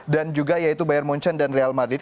dan juga yaitu bayern munchen dan real madrid